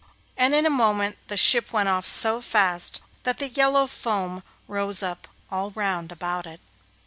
And in a moment the ship went off so fast that the yellow foam rose up all round about it.